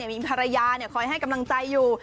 มีภรรยาคอยให้กำลังใจอยู่